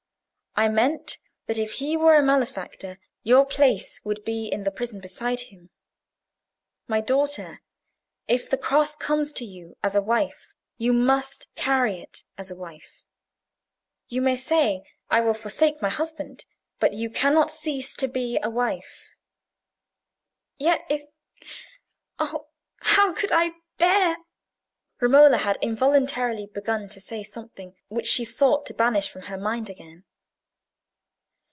I meant, that if he were a malefactor, your place would be in the prison beside him. My daughter, if the cross comes to you as a wife, you must carry it as a wife. You may say, 'I will forsake my husband,' but you cannot cease to be a wife." "Yet if—oh, how could I bear—" Romola had involuntarily begun to say something which she sought to banish from her mind again.